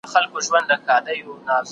د نکاح تړون بايد په پوره رضايت ترسره سي.